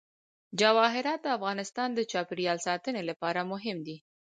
جواهرات د افغانستان د چاپیریال ساتنې لپاره مهم دي.